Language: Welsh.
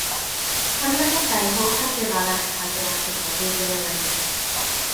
Llongyfarchiadau i'r holl awduron ar restrau byr Llyfr y Flwyddyn eleni.